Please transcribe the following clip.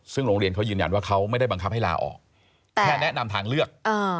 ซึ่งโรงเรียนเขายืนยันว่าเขาไม่ได้บังคับให้ลาออกแค่แนะนำทางเลือก